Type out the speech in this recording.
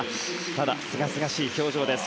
ただ、すがすがしい表情です。